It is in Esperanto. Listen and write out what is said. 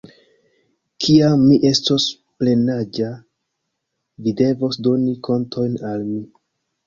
Kiam mi estos plenaĝa vi devos doni kontojn al mi.